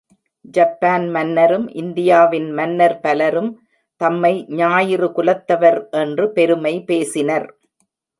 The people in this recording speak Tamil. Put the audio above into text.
ஜப்பான் மன்னரும் இந்தியாவின் மன்னர் பலரும் தம்மை ஞாயிறு குலத்தவர் என்று பெருமை பேசினர்.